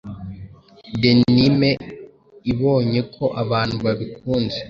Denim ibonye ko abantu babikunze